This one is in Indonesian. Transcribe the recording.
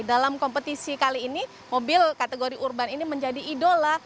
dalam kompetisi kali ini mobil kategori urban ini menjadi idola